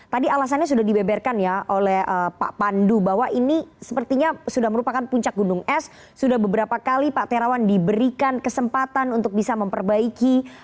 tadi alasannya sudah dibeberkan ya oleh pak pandu bahwa ini sepertinya sudah merupakan puncak gunung es sudah beberapa kali pak terawan diberikan kesempatan untuk bisa memperbaiki